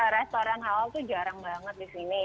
restoran halal tuh jarang banget di sini